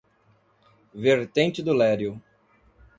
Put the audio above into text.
Vertente do Lério